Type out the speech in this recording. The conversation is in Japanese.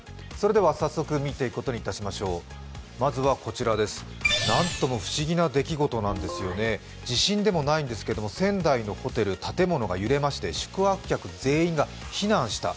早速見ていくことにいたしましょう、まずはこちら、何とも不思議な出来事なんですよね、地震でもないんですけど仙台のホテル、建物が揺れまして宿泊客全員が避難した。